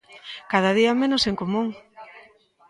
'Cada día menos en común'.